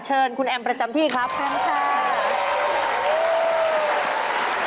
เชิญคุณแอมประจำที่ครับขอบคุณค่ะโอ้โฮขอบคุณค่ะ